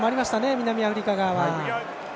南アフリカ側は。